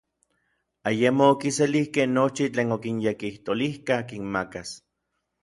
Ayemo okiselijkej nochi tlen okinyekijtolijka kinmakas.